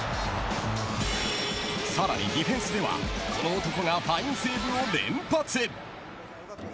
さらにディフェンスではこの男がファインセーブを連発。